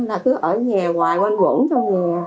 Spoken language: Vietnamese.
là cứ ở nhà hoài quên quẩn trong nhà